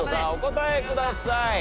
お答えください。